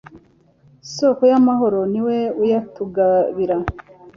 soko y'amahoro ni wowe uyatugabira